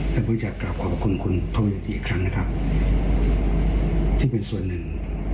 แล้วพูดจากกลับขอบคุณคุณธงยันตีอีกครั้งนะครับที่เป็นส่วนหนึ่ง